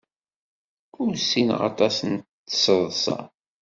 Ur ssineɣ aṭas n tseḍsa.